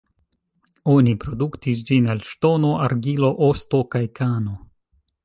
Oni produktis ĝin el ŝtono, argilo, osto kaj kano.